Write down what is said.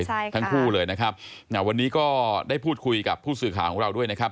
ใช่ค่ะทั้งคู่เลยนะครับวันนี้ก็ได้พูดคุยกับผู้สื่อข่าวของเราด้วยนะครับ